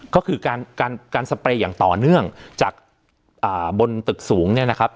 ก็คือการการสเปรย์อย่างต่อเนื่องจากบนตึกสูงเนี่ยนะครับ